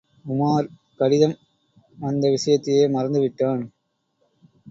உமார் கடிதம் வந்த விஷயத்தையே மறந்து விட்டான்.